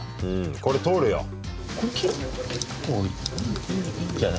うんこれ通るよ。